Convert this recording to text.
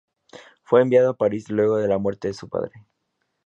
Fue enviado a París luego de la muerte de su padre.